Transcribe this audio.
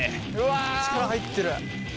力入ってる。